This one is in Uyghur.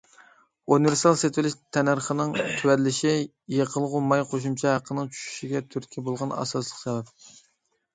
ئۇنىۋېرسال سېتىۋېلىش تەننەرخىنىڭ تۆۋەنلىشى يېقىلغۇ ماي قوشۇمچە ھەققىنىڭ چۈشۈشىگە تۈرتكە بولغان ئاساسلىق سەۋەب.